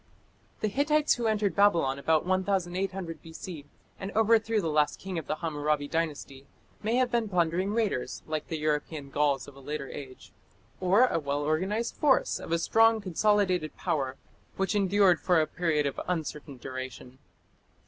The Hittites who entered Babylon about 1800 B.C., and overthrew the last king of the Hammurabi Dynasty, may have been plundering raiders, like the European Gauls of a later age, or a well organized force of a strong, consolidated power, which endured for a period of uncertain duration.